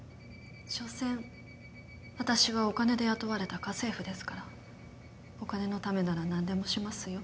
しょせん私はお金で雇われた家政婦ですからお金のためならなんでもしますよ。